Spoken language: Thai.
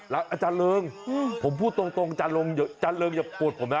แล้วอาจารย์เริงผมพูดตรงจารเริงอย่าโกรธผมนะ